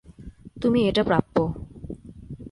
তুমি এটা প্রাপ্য।